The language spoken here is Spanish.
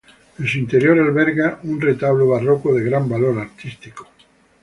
En su interior alberga un retablo barroco de gran valor artístico.